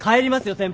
先輩。